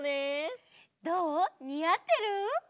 どう？にあってる？